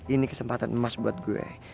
ini kesempatan emas buat gue